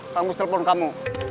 kang mus telepon kamu